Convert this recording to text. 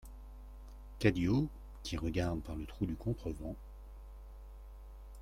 CADIO, qui regarde par le trou du contrevent.